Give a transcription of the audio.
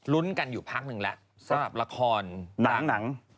ลุ้นกันอยู่ภาพหนึ่งแล้วนะครับ